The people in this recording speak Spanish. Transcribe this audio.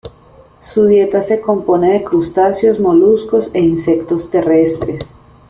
Su dieta se compone de crustáceos, moluscos e insectos terrestres.